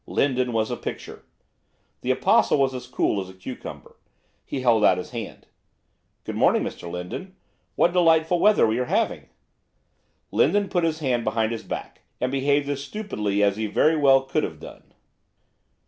Lindon was a picture. The Apostle was as cool as a cucumber. He held out his hand. 'Good morning, Mr Lindon. What delightful weather we are having.' Lindon put his hand behind his back, and behaved as stupidly as he very well could have done.